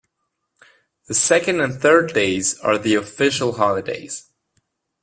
The second and third days are the official holidays.